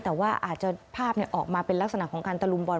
แต่ว่าอาจจะภาพออกมาเป็นลักษณะของการตะลุมบอล